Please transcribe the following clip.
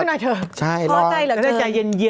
สุดยอดเดี๋ยวจำน้ำกันหน่อยเถอะคอใจเหลือเกินใช่เหรอ